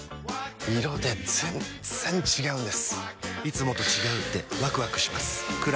色で全然違うんです！